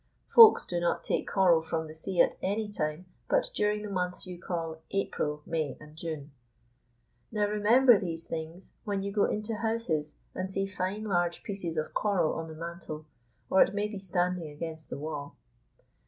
Folks do not take coral from the sea at any time but during the months you call April, May, and June. Now remember these things when you go into houses and see fine large pieces of coral on the mantel, or it may be standing against the wall.